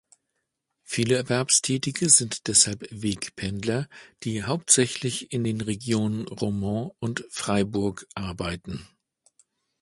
Viele Erwerbstätige sind deshalb Wegpendler, die hauptsächlich in den Regionen Romont und Freiburg arbeiten.